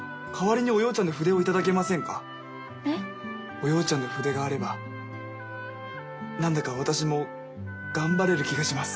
おようちゃんの筆があれば何だか私も頑張れる気がします。